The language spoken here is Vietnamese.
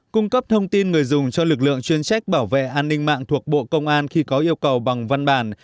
cung cấp thông tin người dùng cho lực lượng chuyên trách bảo vệ an ninh mạng thuộc bộ công an khi có yêu cầu bằng văn bản